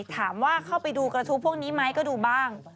ถามว่าเข้าไปดูกระทู้พวกนี้ไหมก็ดูบ้าง